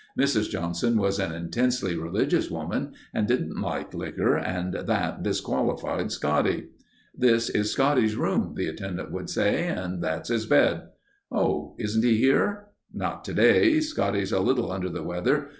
Mrs. Johnson was an intensely religious woman and didn't like liquor and that disqualified Scotty. "This is Scotty's room," the attendant would say. "And that's his bed." "Oh, isn't he here?" "Not today. Scotty's a little under the weather.